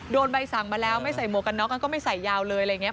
โดนใบสั่งมาแล้วไม่ใส่หมวกันเนาะก็ไม่ใส่ยาวเลย